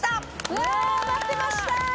うわ待ってました。